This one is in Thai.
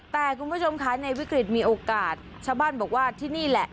แต่คุณผู้ชมค่ะในวิกฤตมีโอกาสชาวบ้านบอกว่าที่นี่แหละ